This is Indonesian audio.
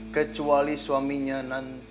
kecuali suaminya nanti